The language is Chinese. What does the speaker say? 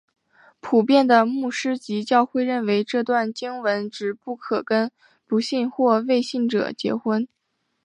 普遍的牧师及教会认为这段经文指不可跟不信或未信者结婚。